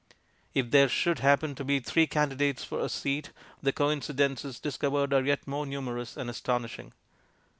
If there should happen to be three candidates for a seat, the coincidences discovered are yet more numerous and astonishing.